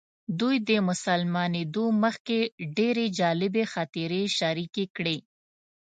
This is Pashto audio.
دوی د مسلمانېدو مخکې ډېرې جالبې خاطرې شریکې کړې.